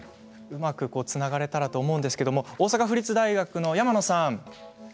うまくつながれたらと思うんですが大阪府立大学の山野さん